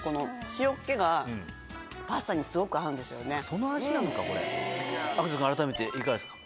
その味なのかこれ赤楚君あらためていかがですか？